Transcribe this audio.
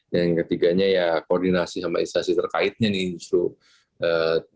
yang ketiganya ya koordinasi sama istasi terkaitnya nih tuh seperti tadi kan ada utilitas ada semuanya